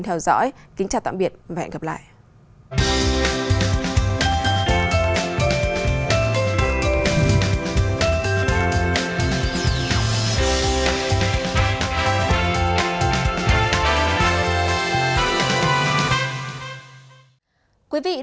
theo dõi kính chào tạm biệt và hẹn gặp lại